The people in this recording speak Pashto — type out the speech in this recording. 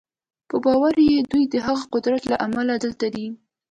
په باور یې دوی د هغه قدرت له امله دلته دي